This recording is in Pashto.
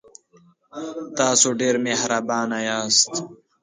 تاسو ډیر مهربانه یاست.